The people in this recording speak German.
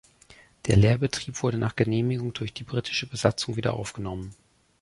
Der Lehrbetrieb wurde nach Genehmigung durch die britische Besatzung wieder aufgenommen.